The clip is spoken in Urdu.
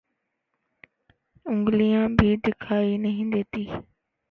انگلیاں بھی دیکھائی نہیں دیتی